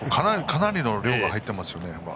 かなりの量が入っていますよね。